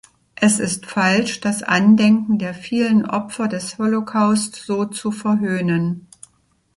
Es ist falsch, das Andenken der vielen Opfer des Holocaust so zu verhöhnen.